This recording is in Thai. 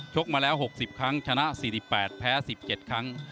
กมาแล้ว๖๐ครั้งชนะ๔๘แพ้๑๗ครั้ง